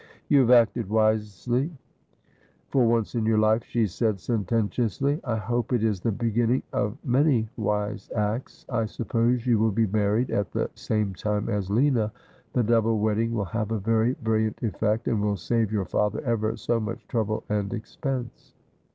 ' You have acted wisely for once in your life,' she said sen tentiously ;' I hope it is the beginning of many wise acts. I suppose you will be married at the same time as Lina. The double wedding will have a very brilliant effect, and will save your father ever so much trouble and expense.'